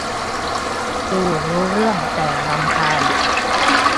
ดูรู้เรื่อง แต่รำคาญ